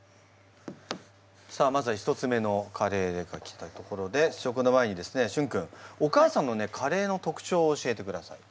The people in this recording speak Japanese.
さあまずは１つ目のカレーが来たところで試食の前にですねしゅん君お母さんのねカレーの特徴を教えてください。